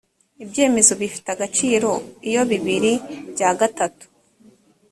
ibyemezo bifite agaciro iyo bibiri bya gatatu